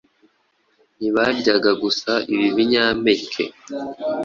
ntibaryaga gusa ibi binyampeke